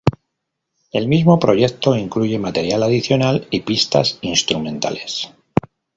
El mismo proyecto incluye material adicional y pistas instrumentales.